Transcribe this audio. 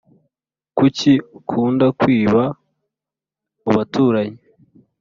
kuki ukund kwiba mubaturanyi